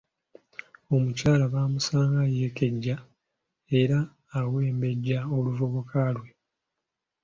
Omukyala bamusanga yeekeja era awembejja oluvubuka lwe.